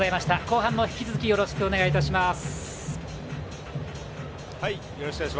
後半も引き続きよろしくお願いします。